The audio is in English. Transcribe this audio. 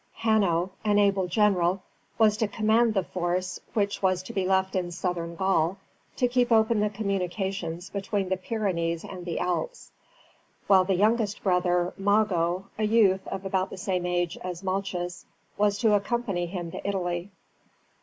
Hanno, an able general, was to command the force which was to be left in southern Gaul to keep open the communications between the Pyrenees and the Alps, while the youngest brother, Mago, a youth of about the same age as Malchus, was to accompany him to Italy.